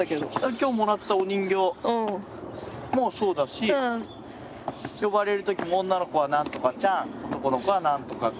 今日もらったお人形もそうだし呼ばれる時も女の子は何とかちゃん男の子は何とか君。